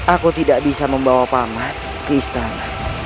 aku tidak bisa membawa pamat ke istana